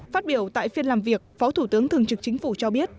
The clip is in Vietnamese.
phát biểu tại phiên làm việc phó thủ tướng thường trực chính phủ cho biết